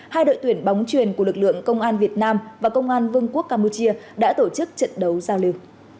hai đội tuyển bóng truyền của lực lượng công an việt nam và công an vương quốc campuchia đã tổ chức trận đấu giao lưu